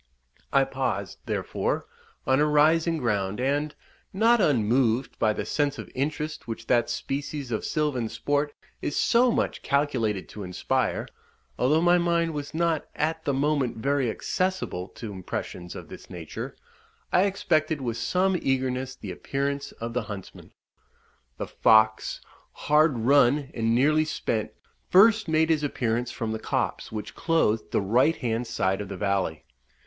I paused, therefore, on a rising ground, and, not unmoved by the sense of interest which that species of silvan sport is so much calculated to inspire (although my mind was not at the moment very accessible to impressions of this nature), I expected with some eagerness the appearance of the huntsmen. The fox, hard run, and nearly spent, first made his appearance from the copse which clothed the right hand side of the valley.